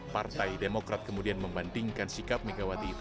partai demokrat kemudian membandingkan sikap megawati itu